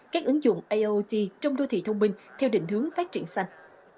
các ứng dụng iot trong đô thị thông minh theo định hướng phát triển xanh